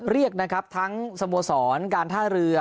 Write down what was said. เรียกหรือทั้งสโมศรการท่าเรือ